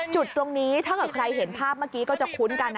จุดตรงนี้ถ้าเกิดใครเห็นภาพเมื่อกี้ก็จะคุ้นกัน